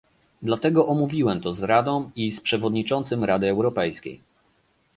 Dlatego omówiłem to z Radą i z przewodniczącym Rady Europejskiej